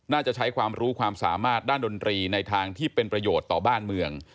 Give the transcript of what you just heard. น่าจะใช้ความรู้ความสามารถด้านดนตรีในทางที่เป็นประโยชน์ต่อบ้านเมือง